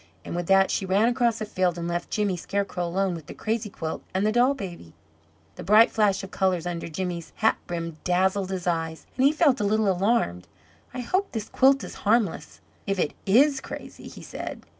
And with that she ran cross the field, and left Jimmy Scarecrow alone with the crazy quilt and the doll baby. The bright flash of colours under Jimmy's hat brim dazzled his eyes, and he felt a little alarmed. "I hope this quilt is harmless if it IS crazy," he said.